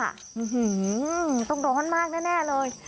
อื้อหือต้องร้อนมากแน่เลย